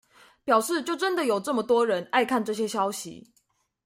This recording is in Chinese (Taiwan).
表示就真的有這麼多人愛看這些消息